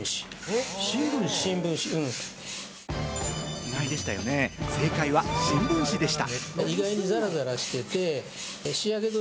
意外でしたよね、正解は新聞紙でした。